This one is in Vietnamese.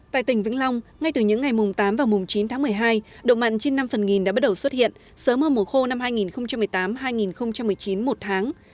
tại tỉnh vĩnh long ngay từ những ngày mùng tám và mùng chín tháng một mươi hai độ mặn trên năm phần nghìn đã bắt đầu xuất hiện sớm hơn mùa khô năm hai nghìn một mươi tám hai nghìn một mươi chín một tháng